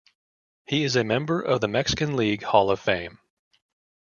He is a member of the Mexican League Hall of Fame.